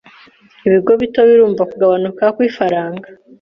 Ibigo bito birumva kugabanuka kw'ifaranga.